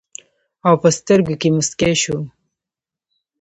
او پۀ سترګو کښې مسکے شو